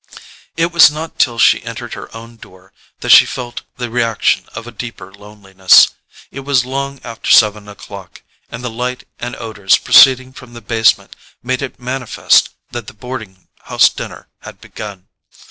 It was not till she entered her own door that she felt the reaction of a deeper loneliness. It was long after seven o'clock, and the light and odours proceeding from the basement made it manifest that the boarding house dinner had begun.